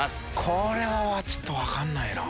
これはちょっと分かんないな。